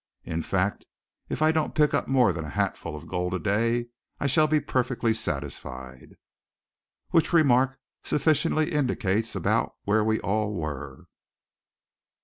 In fact, if I don't pick up more than a hatful of gold a day, I shall be perfectly satisfied." Which remark sufficiently indicates about where we all were!